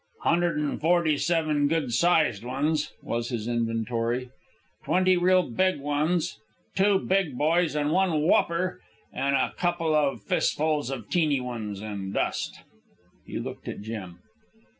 "Hundred an' forty seven good sized ones," was his inventory; "twenty real big ones; two big boys and one whopper; an' a couple of fistfuls of teeny ones an' dust." He looked at Jim.